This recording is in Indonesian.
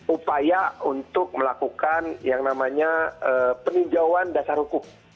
upaya untuk melakukan yang namanya peninjauan dasar hukum